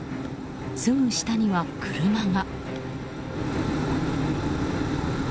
すぐ下には、車が。